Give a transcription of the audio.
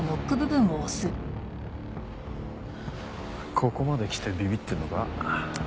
ここまで来てビビってんのか？